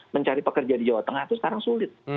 mencari pekerja di jawa tengah itu sekarang sulit